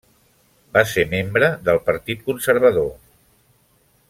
Va ser membre del Partit Conservador.